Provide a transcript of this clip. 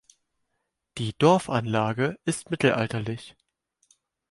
Die Dorfanlage ist mittelalterlich.